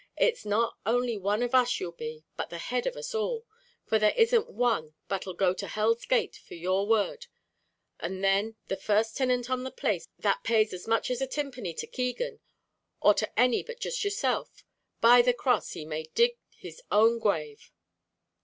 it's not only one of us you'll be, but the head of us all; for there isn't one but 'll go to hell's gate for your word; an' then the first tinant on the place that pays as much as a tinpenny to Keegan, or to any but jist yourself by the cross! he may dig his own grave."